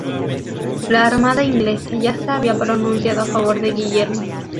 La armada inglesa ya se había pronunciado a favor de Guillermo.